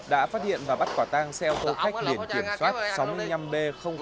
đã phát hiện và bắt quả tang xe ô tô khách liền kiểm soát sáu mươi năm b tám trăm bảy mươi chín